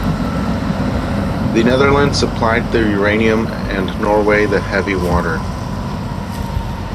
The Netherlands supplied the uranium and Norway the heavy water.